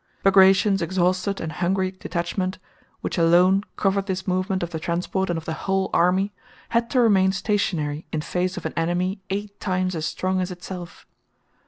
Bagratión's exhausted and hungry detachment, which alone covered this movement of the transport and of the whole army, had to remain stationary in face of an enemy eight times as strong as itself.